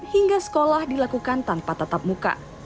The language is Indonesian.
hingga sekolah dilakukan tanpa tatap muka